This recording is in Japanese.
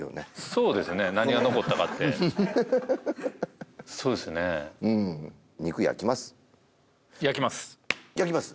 そうですね何が残ったかってそうですねうん肉焼きます焼きます焼きます？